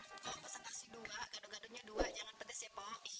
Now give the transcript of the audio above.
oh pesan kasih dua gaduh gaduhnya dua jangan pedes ya pok